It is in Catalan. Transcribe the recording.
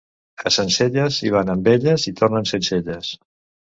A Sencelles hi van amb elles i tornen sense elles.